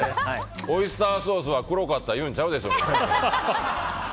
オイスターソースは黒かった言うんちゃうでしょうね？